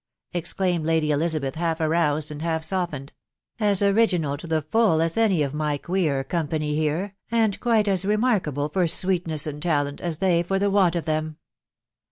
" exclaimed Lady Elizabeth, half aroused and half softened ; t€ as original to the full as any of my queer company here, and quite a remarkable for sweetness and talent as they for the want of them.